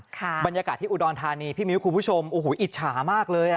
บรรยากาศที่อุดรธานีพี่มิ้วคุณผู้ชมโอ้โหอิจฉามากเลยอ่ะ